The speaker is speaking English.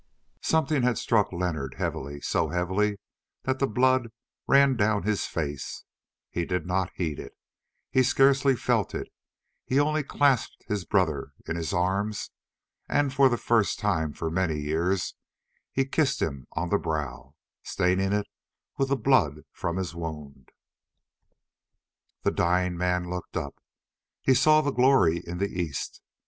Something had struck Leonard heavily, so heavily that the blood ran down his face; he did not heed it, he scarcely felt it; he only clasped his brother in his arms and, for the first time for many years, he kissed him on the brow, staining it with the blood from his wound. The dying man looked up. He saw the glory in the East.